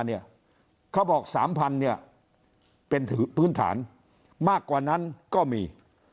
เขาบอก๓๐๐เนี่ยเป็นพื้นฐานมากกว่านั้นก็มี